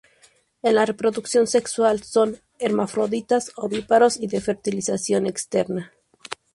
En la reproducción sexual son hermafroditas, ovíparos, y de fertilización externa.